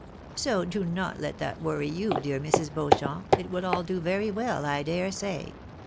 So do not let that worry you, dear Mrs. Beauchamp, it will all do very well, I dare say.